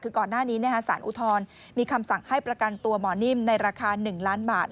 คือก่อนหน้านี้สารอุทธรณ์มีคำสั่งให้ประกันตัวหมอนิ่มในราคา๑ล้านบาท